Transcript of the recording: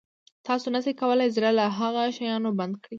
تاسو نه شئ کولای زړه له هغه شیانو بند کړئ.